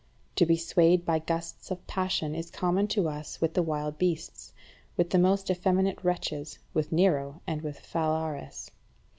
To be swayed by gusts of passion is common to us with the wild beasts, with the most effeminate wretches, with Nero and with Phalaris.